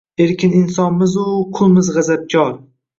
Erkin insonmizu, qulmiz g’azabkor.